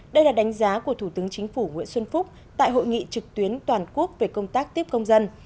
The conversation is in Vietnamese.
đây là đánh giá của thủ tướng chính phủ nguyễn xuân phúc tại hội nghị trực tuyến toàn quốc về công tác tiếp công dân